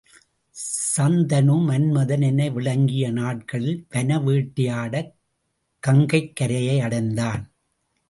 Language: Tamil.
சந்தனு மன்மதன் என விளங்கிய நாட்களில் வன வேட்டையாடக் கங்கைக் கரையை அடைந்தான்.